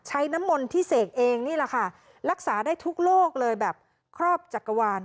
น้ำมนต์ที่เสกเองนี่แหละค่ะรักษาได้ทุกโลกเลยแบบครอบจักรวาล